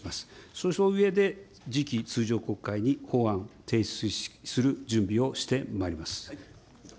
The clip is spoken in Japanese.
その上で、次期通常国会に法案、提出する準備をしてまいります。